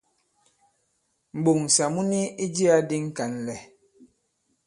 M̀ɓoŋsà mu ni i jiyā di ŋ̀kànlɛ̀.